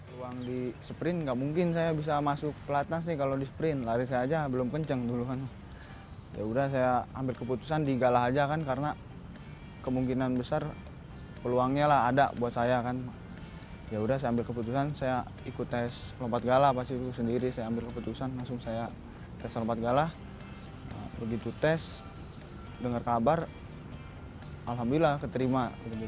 tes lompat gala begitu tes dengar kabar alhamdulillah keterima